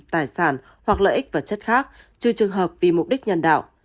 tài sản hoặc lợi ích và chất khác trừ trường hợp vì mục đích nhân đạo